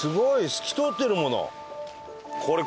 透き通ってるもの。